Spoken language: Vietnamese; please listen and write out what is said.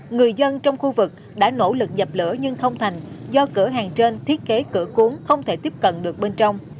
người dân trong khu vực đã nỗ lực dập lửa nhưng không thành do cửa hàng trên thiết kế cửa cuốn không thể tiếp cận được bên trong